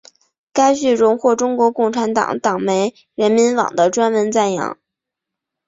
该剧荣获中国共产党党媒人民网的专文赞扬。